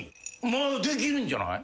まあできるんじゃない？